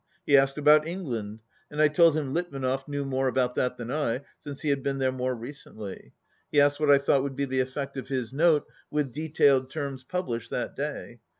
He asked about England, and I told him Litvinov knew more about that than I, since he had been there more recently. He asked what I thought would be the effect of his Note with detailed terms pub lished that day.